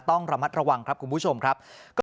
ต้องระมัดระวังครับคุณผู้ชมครับ